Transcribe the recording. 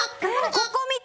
ここ見て！